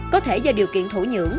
có thể do điều kiện thổ nhưỡng